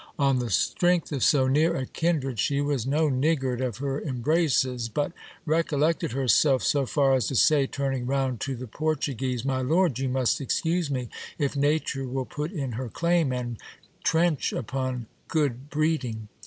On the strength of so near a kindred, she was no niggard of her embraces ; but recollected her self so far as to say, turning round to the Portuguese, My lord, you must excuse me if nature will put in her claim, and trench upon good breeding.